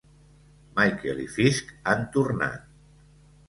Michael i Fisk han tornat.